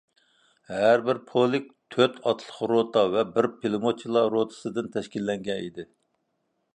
ھەربىر پولك تۆت ئاتلىق روتا ۋە بىر پىلىموتچىلار روتىسىدىن تەشكىللەنگەن ئىدى.